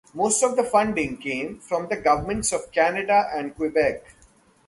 Most of the funding came from the governments of Canada and Quebec.